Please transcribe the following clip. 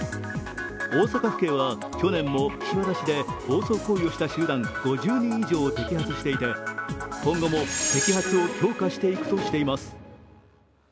大阪府警は去年も岸和田市で暴走行為をした集団５０人以上を摘発していて今後も摘発を強化していくとしています。